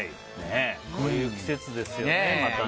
こういう季節ですよね。